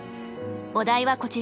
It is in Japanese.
お題はこちら。